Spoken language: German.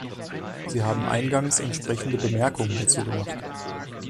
Sie haben eingangs entsprechende Bemerkungen dazu gemacht.